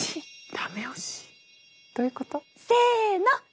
どういうこと？せの。